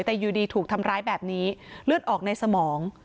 แต่อยู่ดีถูกทำร้ายแบบนี้เลือดออกในสมอง